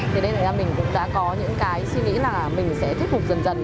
thế nên là mình cũng đã có những cái suy nghĩ là mình sẽ thuyết phục dần dần